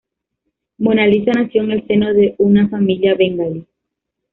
Mona Lisa nació en el seno de una familia bengalí.